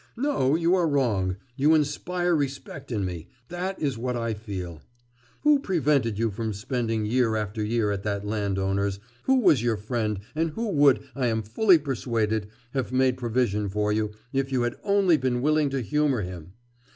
'No, you are wrong. You inspire respect in me that is what I feel. Who prevented you from spending year after year at that landowner's, who was your friend, and who would, I am fully persuaded, have made provision for you, if you had only been willing to humour him?